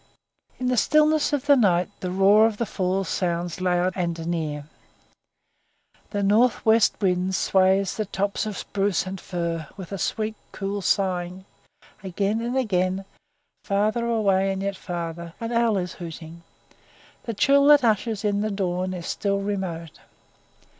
In the stillness of the night the roar of the fall sounds loud and near; the north west wind sways the tops of spruce and fir with a sweet cool sighing; again and again, farther away and yet farther, an owl is hooting; the chill that ushers in the dawn is still remote.